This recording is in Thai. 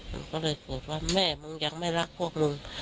มันก็เลยโกรธว่าแม่มึงยังไม่รักพวกมึง